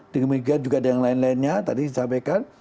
dengan juga dengan lain lainnya tadi disampaikan